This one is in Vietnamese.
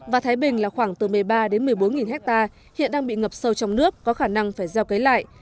và thái bình là khoảng từ một mươi ba đến một mươi bốn hectare hiện đang bị ngập sâu trong nước có khả năng phải gieo cấy lại